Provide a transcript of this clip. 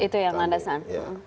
itu yang landasan